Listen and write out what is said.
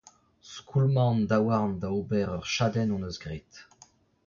Skoulmañ an daouarn da ober ur chadenn hon eus graet.